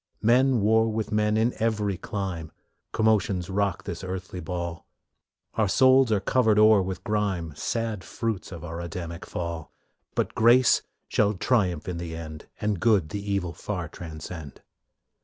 Men war with men in every clime, Commotions rock this earthly ball; Our souls are covered o'er with grime Sad fruits of our Adamic fall, But grace shall triumph in the end, And good the evil far transcend.